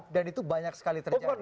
dan itu banyak sekali terjadi